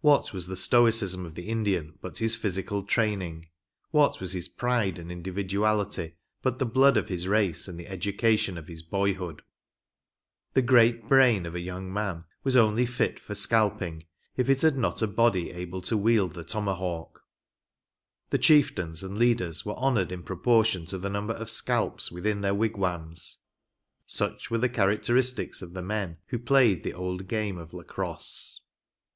What was the stoicism of the Indian but his physical training ; what was his pride and individu ality but the blood of his race and the education of his boyhood ? The great brain of a young man was only fit for scalping if it had not a body able to wield the tomahawk ; the chieftains and leaders were honoured in proportion to the number of scalps within their wigwams. Such were the characteristics of the men who played the old game of Lacrosse.